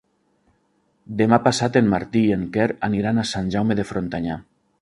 Demà passat en Martí i en Quer aniran a Sant Jaume de Frontanyà.